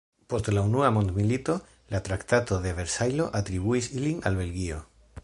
Post la Unua mondmilito la Traktato de Versajlo atribuis ilin al Belgio.